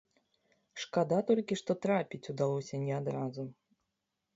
Шкада толькі, што трапіць удалося не адразу.